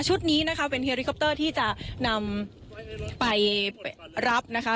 ชุดนี้นะคะเป็นเฮลิคอปเตอร์ที่จะนำไปรับนะคะ